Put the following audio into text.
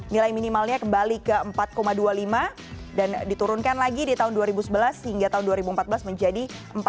nilai minimalnya kembali ke empat dua puluh lima dan diturunkan lagi di tahun dua ribu sebelas hingga tahun dua ribu empat belas menjadi empat puluh